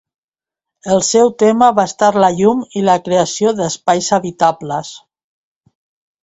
El seu tema va estar la llum i la creació d'espais habitables.